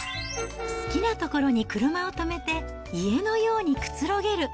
好きな所に車を止めて、家のようにくつろげる。